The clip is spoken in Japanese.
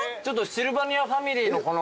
シルバニアファミリーのこの。